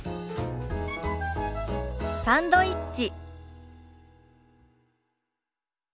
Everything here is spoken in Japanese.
「サンドイッチ」。